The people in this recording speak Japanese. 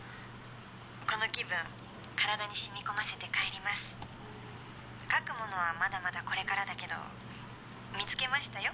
この気分体にしみこませて帰ります描くものはまだまだこれからだけど見つけましたよ